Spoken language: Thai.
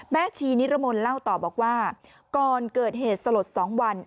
ชีนิรมนต์เล่าต่อบอกว่าก่อนเกิดเหตุสลด๒วัน